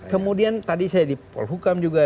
kemudian tadi saya di polhukam juga